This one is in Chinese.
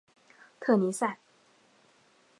特尼塞。